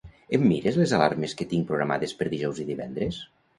Em mires les alarmes que tinc programades per dijous i divendres?